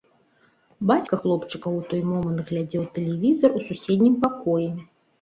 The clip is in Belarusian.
Бацька хлопчыка ў той момант глядзеў тэлевізар у суседнім пакоі.